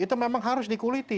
itu memang harus dikuliti